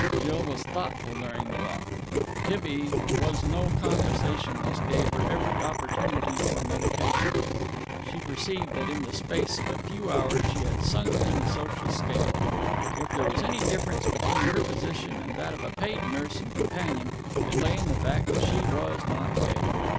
Jill was thoughtful during the walk. Tibby, who was no conversationist, gave her every opportunity for meditation. She perceived that in the space of a few hours she had sunk in the social scale. If there was any difference between her position and that of a paid nurse and companion it lay in the fact that she was not paid.